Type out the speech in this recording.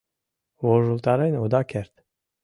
Вожылтарен ода керт.